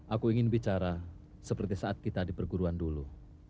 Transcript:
aku ingin bicara seperti saat kita di perguruan dulu